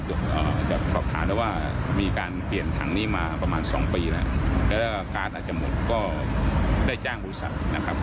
ตอบฐานว่ามีการเปลี่ยนถังนี้มาประมาณ๒ปีแล้วการอาจจะหมดก็ได้จ้างบริษัทนะครับ